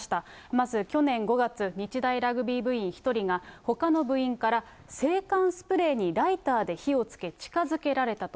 まず去年５月、日大ラグビー部員１人がほかの部員から制汗スプレーにライターで火をつけ、近づけられたと。